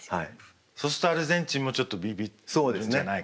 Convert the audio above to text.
そうするとアルゼンチンもちょっとビビるんじゃないか。